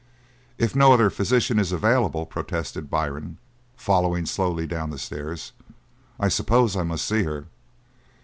"If no other physician is available," protested Byrne, following slowly down the stairs, "I suppose I must see her."